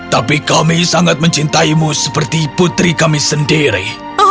tapi kami sangat mencintaimu seperti putri kami sendiri